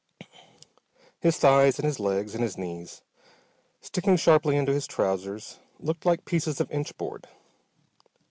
His thighs and his legs and his knees, sticking sharply into his trousers, looked like pieces of inch board.